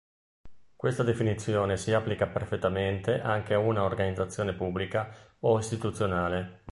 Questa definizione si applica perfettamente anche a una organizzazione pubblica o istituzionale.